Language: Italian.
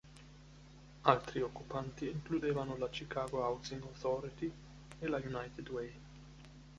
Altri occupanti includevano la Chicago Housing Authority e la United Way.